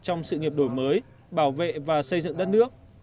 trong sự nghiệp đổi mới bảo vệ và xây dựng đất nước